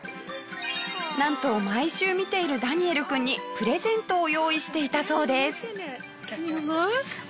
なんと毎週見ているダニエルくんにプレゼントを用意していたそうです。